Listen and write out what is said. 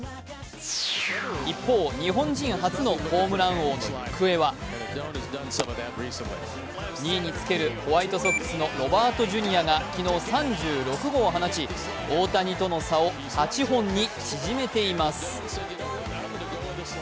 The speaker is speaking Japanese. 一方、日本人初のホームラン王の行方は２位につける、ホワイトソックスのロバート・ジュニアが昨日３６号を放ち大谷との差を８本に縮めています。